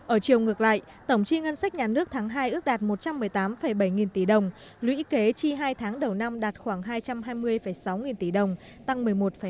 ở chiều ngược lại tổng chi ngân sách nhà nước tháng hai ước đạt một trăm một mươi tám bảy nghìn tỷ đồng lũy kế chi hai tháng đầu năm đạt khoảng hai trăm hai mươi sáu nghìn tỷ đồng tăng một mươi một năm